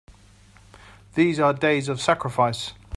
These are days of sacrifice!